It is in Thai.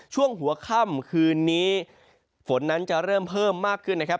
ช่วงหัวค่ำคืนนี้ฝนนั้นจะเริ่มเพิ่มมากขึ้นนะครับ